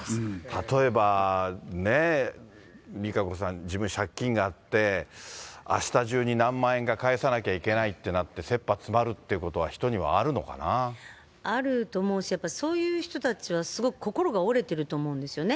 例えば、ねぇ、ＲＩＫＡＣＯさん、自分、借金があって、あした中に何万円か返さなきゃいけないとあって、せっぱ詰まるっあると思うし、やっぱそういう人たちはすごく心が折れてると思うんですよね。